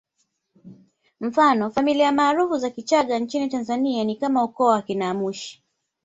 Mfano familia maarufu za Kichaga nchini Tanzania ni kama ukoo wa akina Mushi